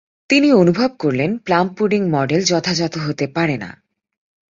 তিনি অনুভব করলেন, প্লাম পুডিং মডেল যথাযথ হতে পারে না।